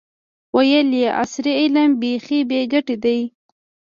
ویل یې عصري علم بیخي بې ګټې دی.